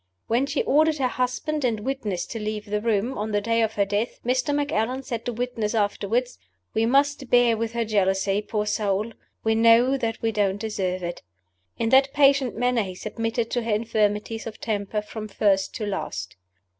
When she ordered her husband and witness to leave the room, on the day of her death, Mr. Macallan said to witness afterward, "We must bear with her jealousy, poor soul: we know that we don't deserve it." In that patient manner he submitted to her infirmities of temper from first to last.